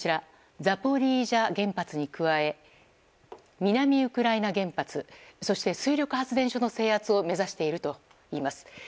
ザポリージャ原発に加え南ウクライナ原発そして水力発電所の制圧を目指しているといいます。